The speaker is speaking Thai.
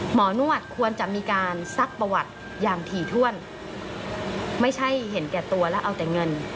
หมอนวดควรจะมีการซักประวัติอย่างถี่ถ้วนไม่ใช่เห็นแก่ตัวและเอาแต่เงิน